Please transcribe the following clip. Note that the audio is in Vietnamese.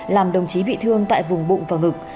làm đồng chí bị thương tại vùng bụng và ngực